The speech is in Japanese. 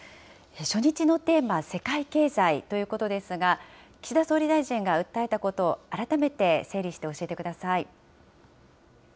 初日のテーマ、世界経済ということですが、岸田総理大臣が訴えたこと、改めて整理して教えてください。